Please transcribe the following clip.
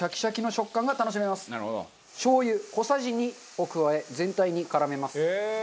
しょう油小さじ２を加え全体に絡めます。